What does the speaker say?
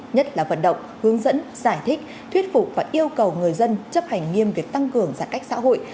nhất là vận động hướng dẫn giải thích thuyết phục và yêu cầu người dân chấp hành nghiêm việc tăng cường giãn cách xã hội